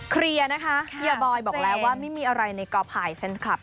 เคลียร์นะคะเฮียบอยบอกแล้วว่าไม่มีอะไรในกอภัยแฟนคลับ